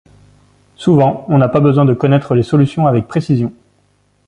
Souvent, on n'a pas besoin de connaître les solutions avec précision.